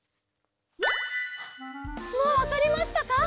もうわかりましたか？